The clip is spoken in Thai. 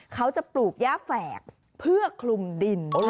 เขาจะปลูกย่าแฝกเพื่อคลุมดิน